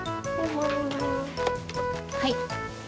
はい。